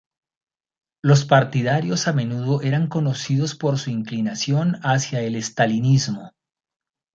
Los partidarios a menudo eran conocidos por su inclinación hacia el estalinismo.